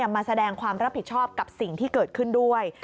มาแสดงความรับผิดชอบกับสิ่งที่เกิดขึ้นด้วย